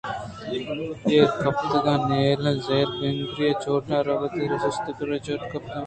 ایر کپتگاں نیلیں زرءَ کُنری چوٹِک روباہے درٛنگے ءَ سِست ءُ کنری چوٹکے ءَ کپت ءُ مان